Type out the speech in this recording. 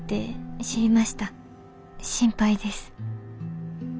心配です。